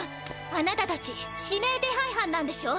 あなたたち指名手配はんなんでしょ？